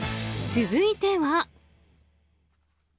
続いては。